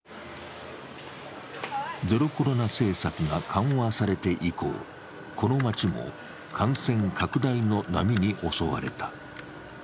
ゼロコロナ政策が緩和されて以降、この街も感染拡大の波に襲われた。